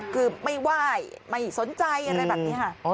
คือไม่ไหว้ไม่สนใจอะไรแบบนี้ค่ะ